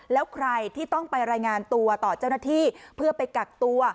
แล้วใครที่ต้องไปรายงานตัวต่อเจ้าหน้าที่เพื่อไปกักตัว